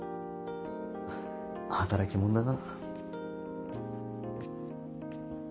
働き者だな。